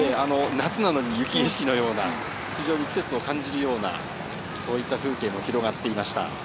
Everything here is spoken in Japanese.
夏なのに雪景色のような季節を感じるようなそういった風景も広がっていました。